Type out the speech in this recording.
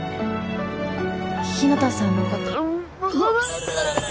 日向さんのことうっ